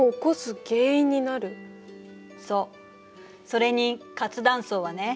それに活断層はね